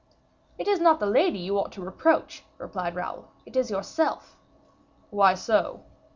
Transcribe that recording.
"It is not the lady you ought to reproach," replied Raoul; "it is yourself." "Why so?"